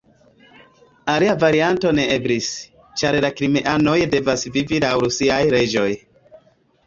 Alia varianto ne eblis, ĉar la krimeanoj devas vivi laŭ rusiaj leĝoj.